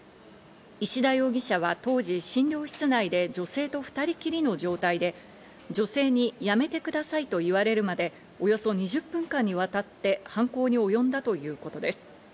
石田容疑者は当時、診療室内で女性と２人きりの状態で女性に、やめてくださいと言われるまでおよそ２０分間にわたって犯行におよんだということです。